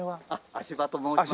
芦葉と申します。